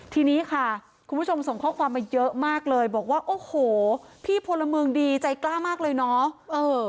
ทีนี้ค่ะคุณผู้ชมส่งข้อความมาเยอะมากเลยบอกว่าโอ้โหพี่พลเมืองดีใจกล้ามากเลยเนาะ